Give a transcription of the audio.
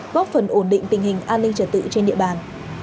góp phần ổn định tình hình an ninh trật tự trên địa bàn